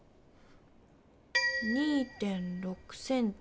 ２．６ｃｍ。